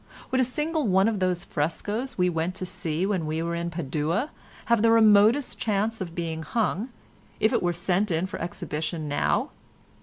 Would a single one of those frescoes we went to see when we were at Padua have the remotest chance of being hung, if it were sent in for exhibition now?